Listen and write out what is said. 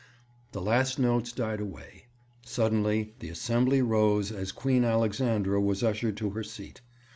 The last notes died away. Suddenly the assembly rose as Queen Alexandra was ushered to her seat.